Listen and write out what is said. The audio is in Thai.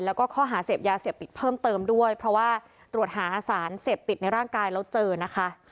แล้วก็ข้อหาเสพยาเสพติดเพิ่มเติมด้วยเพราะว่าตรวจหาสารเสพติดในร่างกายแล้วเจอนะคะ